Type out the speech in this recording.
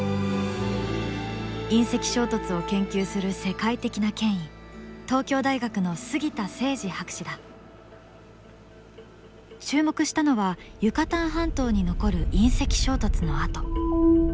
隕石衝突を研究する世界的な権威注目したのはユカタン半島に残る隕石衝突の跡。